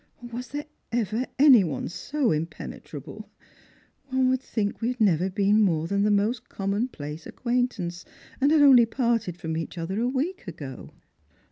Was there ever any one so impenetrable ? One would think wa had never been more than the most commonplace acquaintance» and had only parted from each other a week ago."